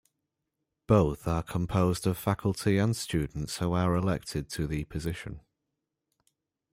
Both are composed of faculty and students who are elected to the position.